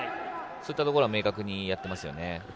そういったところが明確にやってますよね。